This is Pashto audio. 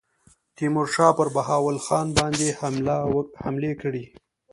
تیمورشاه پر بهاول خان باندي حمله کړې.